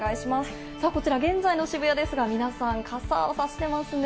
こちら現在の渋谷ですが、皆さん、傘をさしていますね。